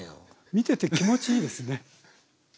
見てて気持ちいいですね。